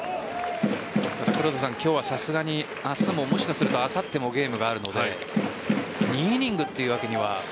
今日はさすがに明日も、もしかするとあさってもゲームがあるので２イニングというわけには。